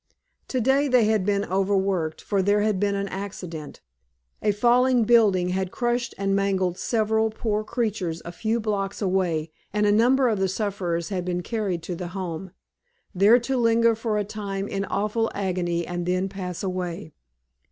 Today they had been overworked, for there had been an accident a falling building had crushed and mangled several poor creatures a few blocks away; and a number of the sufferers had been carried to the Home, there to linger for a time in awful agony and then pass away.